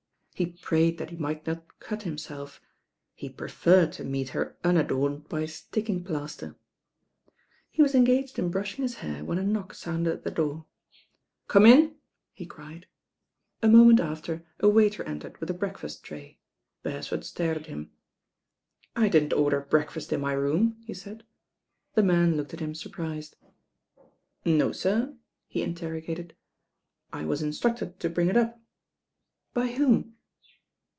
He prayed that he might not cue himself. He preferred to meet her unadorned by sticking plaster. He was engaged in brushing his hair when a knock sounded at the door. "Come in," he cried. A moment after a waiter entered with a breakfast tray. Beresford stared at him. "I didn't order breakfast in my room," he said. The man looked at him surprised. "No, sir?" he interrogated. "I was instructed tn bring it up." "By whom?"